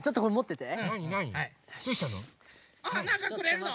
あなんかくれるの？